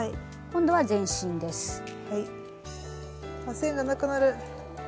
線がなくなる！